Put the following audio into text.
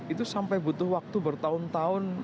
itu sampai butuh waktu bertahun tahun